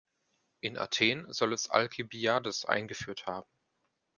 In Athen soll es Alkibiades eingeführt haben.